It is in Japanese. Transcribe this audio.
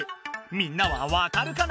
みんなはわかるかな？